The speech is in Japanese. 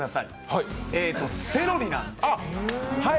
セロリなんです。